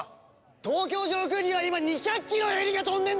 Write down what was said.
東京上空には今２００機のヘリが飛んでんだぞ！